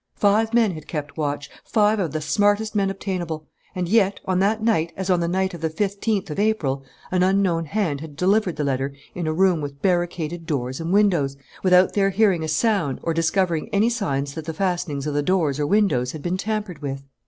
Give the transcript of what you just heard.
Five men had kept watch, five of the smartest men obtainable; and yet, on that night, as on the night of the fifteenth of April, an unknown hand had delivered the letter in a room with barricaded doors and windows, without their hearing a sound or discovering any signs that the fastenings of the doors or windows had been tampered with.